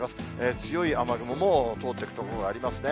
強い雨雲も通っていくところがありますね。